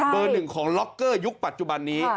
หนึ่งของล็อกเกอร์ยุคปัจจุบันนี้